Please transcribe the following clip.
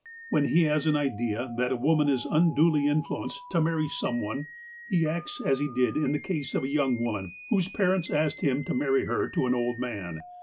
When he has an idea that a woman is unduly influenced to marry some one, he acts as he did in the case of a young woman whose i)arents asked him to marry her to an old man.